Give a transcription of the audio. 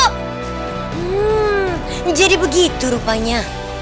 hmm jadi begitu rupanya